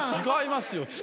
違いますよ